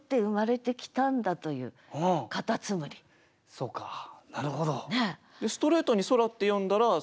そうかなるほど。